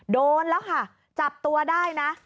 โดนแล้วค่ะจับตัวได้นะ